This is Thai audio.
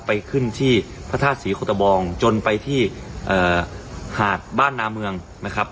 ไปขึ้นที่พระธาตุศรีโคตะบองจนไปที่หาดบ้านนาเมืองนะครับ